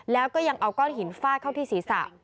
แล้วก็ยังเอาก้อนหินฟาดเข้าที่ศีรษะ